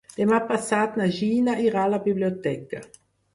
Demà passat na Gina irà a la biblioteca.